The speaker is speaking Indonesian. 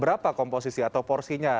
berapa komposisi atau porsinya